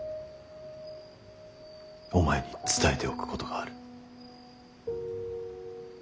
お前に伝えておくことがある。